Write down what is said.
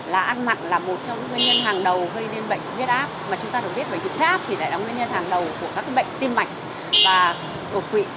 là ăn mặn là một trong những nguyên nhân hàng đầu gây nên bệnh viết áp mà chúng ta được biết bệnh viết áp thì lại là nguyên nhân hàng đầu của các cái bệnh tim mạch và độc quỵ